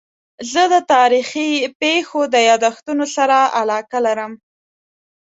زه د تاریخي پېښو د یادښتونو سره علاقه لرم.